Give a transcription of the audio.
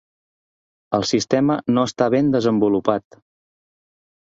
El sistema no està ben desenvolupat.